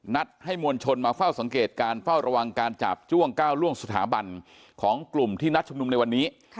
ให้มวลชนมาเฝ้าสังเกตการเฝ้าระวังการจาบจ้วงก้าวล่วงสถาบันของกลุ่มที่นัดชุมนุมในวันนี้